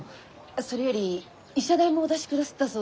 それより医者代もお出しくだすったそうで。